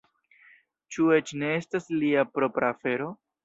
Ĉu eĉ ne estas lia propra afero?